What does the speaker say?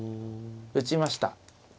打ちました。